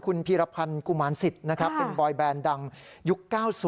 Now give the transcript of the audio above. คุณพีรพันธ์กุมารสิทธิ์นะครับเป็นบอยแบนดังยุค๙๐